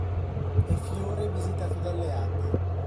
È fiore visitato dalle api.